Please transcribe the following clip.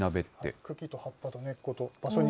茎と葉っぱと根っこと。